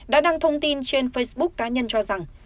đã đăng thông tin trên facebook cá nhân cho rằng